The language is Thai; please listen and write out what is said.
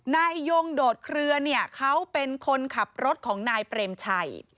นายยงโดดเครือเนี่ยเขาเป็นคนขับรถของนายเปรมชัย